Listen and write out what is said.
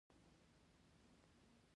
عصري تعلیم مهم دی ځکه چې د ډیجیټل آرټ ښيي.